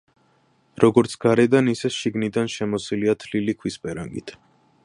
როგორც გარედან, ისე შიგნიდან შემოსილია თლილი ქვის პერანგით.